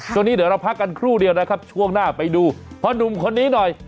ช่วงนี้เดี๋ยวเราพักกันครู่เดียวนะครับช่วงหน้าไปดูพ่อนุ่มคนนี้หน่อย